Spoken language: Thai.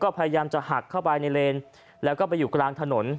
พยายามจะหักเข้าไปในเลนแล้วก็ไปอยู่กลางถนน